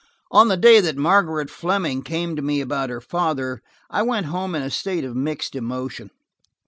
On the day that Margery Fleming came to me about her father, I went home in a state of mixed emotion.